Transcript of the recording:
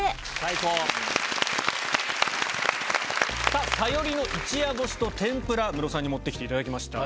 さぁサヨリの一夜干しと天ぷらムロさんに持って来ていただきました。